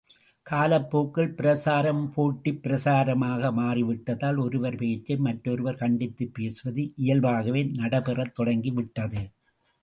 காலப் போக்கில் பிரசாரம் போட்டிப் பிரசாரமாக மாறிவிட்டதால், ஒருவர் பேச்சை மற்றொருவர் கண்டித்துப் பேசுவது இயல்பாகவே நடைபெறத் தொடங்கிவிட்டது.